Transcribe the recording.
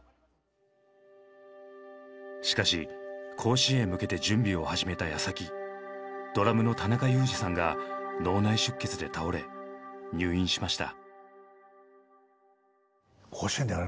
しかし甲子園へ向けて準備を始めたやさきドラムの田中裕二さんが脳内出血で倒れ入院しました。